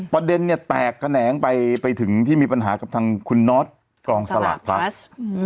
ประเด็นเนี่ยแตกแขนงไปถึงที่มีปัญหากับทางคุณน็อตกองสลากพลัส